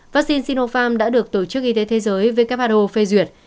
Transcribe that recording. vaccine sinopharm đã được tổ chức y tế thế giới who phê duyệt